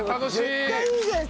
絶対いいじゃない！